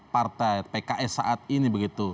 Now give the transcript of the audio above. partai pks saat ini